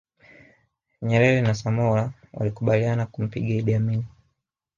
Nyerere na Samora walikubaliana kumpiga Idi Amin